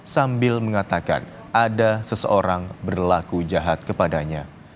sambil mengatakan ada seseorang berlaku jahat kepadanya